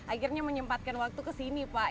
akhirnya menyempatkan waktu ke sini pak